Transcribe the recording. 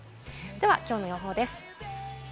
今日の予報です。